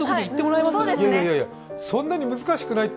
いやいや、そんなに難しくないって。